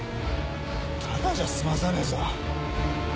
ただじゃ済まさねえぞ！